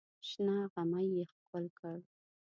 شنه غمی یې ښکل کړ.